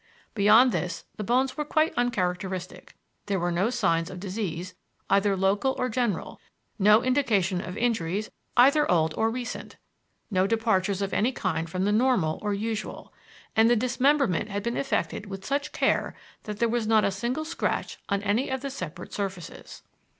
Beyond this the bones were quite uncharacteristic. There were no signs of disease either local or general, no indications of injuries either old or recent, no departures of any kind from the normal or usual; and the dismemberment had been effected with such care that there was not a single scratch on any of the separate surfaces.